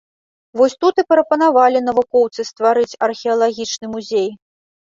Вось тут і прапанавалі навукоўцы стварыць археалагічны музей.